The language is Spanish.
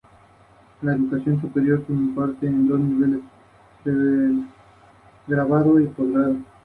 Fue su capitán con más años de servicio.